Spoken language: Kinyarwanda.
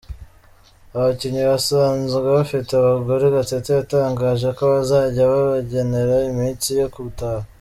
Abakinnyi basanzwe bafite abagore, Gatete yatangaje ko bazajya babagenera iminsi yo gutaha.